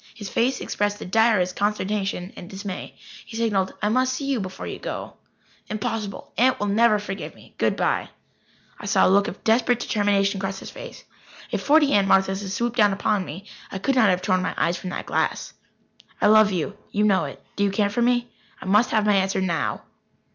His face expressed the direst consternation and dismay. He signalled: "I must see you before you go." "Impossible. Aunt will never forgive me. Good bye." I saw a look of desperate determination cross his face. If forty Aunt Marthas had swooped down upon me, I could not have torn my eyes from that glass. "I love you. You know it. Do you care for me? I must have my answer now."